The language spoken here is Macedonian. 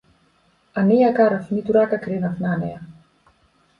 А не ја карав ниту рака кренав на неа.